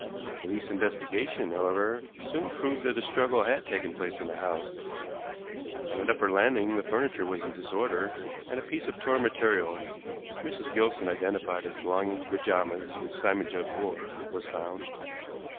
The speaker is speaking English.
Police investigation, however, soon proved that a struggle had taken place in the house. On an upper landing the furniture was in disorder, and a piece of torn material, which Mrs. Gilson identified as belonging to pajamas which Simon Judd wore, was found.